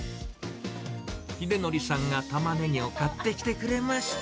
ひでのりさんがタマネギを買ってきてくれました。